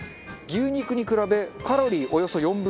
牛肉に比べカロリーおよそ４分の１。